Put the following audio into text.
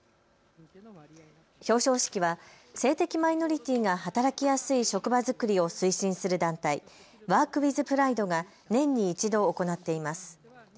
表彰式は性的マイノリティーが働きやすい職場作りを推進する団体、ｗｏｒｋｗｉｔｈＰｒｉｄｅが年に１度、行っています。